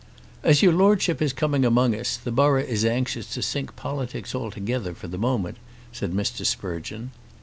"As your Lordship is coming among us, the borough is anxious to sink politics altogether for the moment," said Mr. Sprugeon.